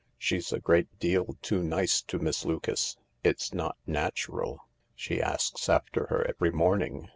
She's a great deal too nice to Miss Lucas. It's not natural. She asks after her every morning.